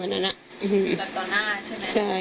แบบต่อหน้าใช่ไหม